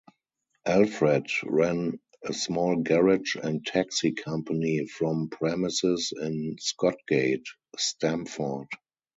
Alfred ran a small garage and taxi company from premises in Scotgate, Stamford.